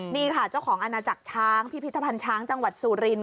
นี่ค่ะเจ้าของอาณาจักรช้างพิพิธภัณฑ์ช้างจังหวัดสุรินท